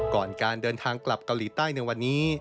ก่อนการเดินทางกลับเกาหลีใต้ในวันนี้